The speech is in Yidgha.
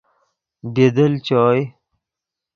بی دل چوئے۔